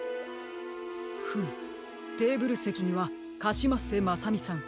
フムテーブルせきにはカシマッセまさみさん